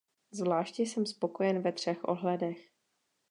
Zvláště jsem spokojen ve třech ohledech.